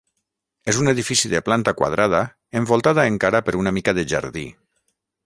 És un edifici de planta quadrada, envoltada encara per una mica de jardí.